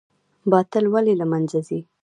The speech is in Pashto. باطل ولې له منځه ځي؟